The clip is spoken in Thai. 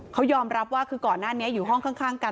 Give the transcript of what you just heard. เขายอมรับว่าคือก่อนหน้านี้อยู่ห้องข้างกัน